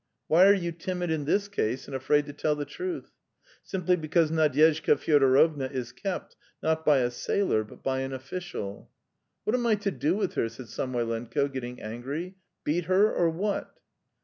Why are you timid in this case and afraid to tell the truth? Simply because Nadyezhda Fyodorovna is kept, not by a sailor, but by an official." "What am I to do with her?" said Samoylenko, getting angry. "Beat her or what?